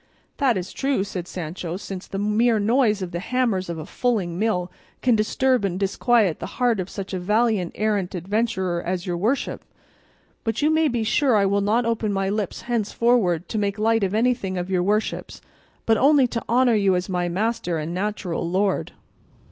"That is true," said Sancho, "since the mere noise of the hammers of a fulling mill can disturb and disquiet the heart of such a valiant errant adventurer as your worship; but you may be sure I will not open my lips henceforward to make light of anything of your worship's, but only to honour you as my master and natural lord."